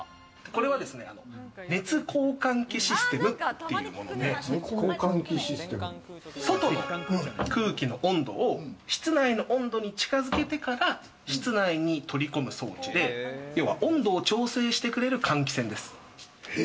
熱交換換気システムというので、外の空気の温度を、室内の温度に近づけてから室内に取り込む装置で、要は温度を調整してくれる換気扇です。